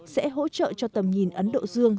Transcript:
sẽ hỗ trợ cho tầm nhìn ấn độ dương